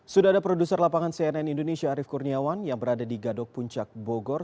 sudah ada produser lapangan cnn indonesia arief kurniawan yang berada di gadok puncak bogor